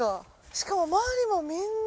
しかも周りもみんな。